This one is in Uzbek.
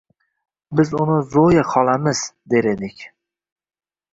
Biz uni Zoya xolamiz, der edik.